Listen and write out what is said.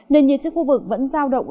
nên nhiệt chức khu vực vẫn giao động